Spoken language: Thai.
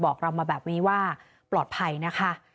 บอกเรามาแบบนี้ว่าปลอดภัยนะคะ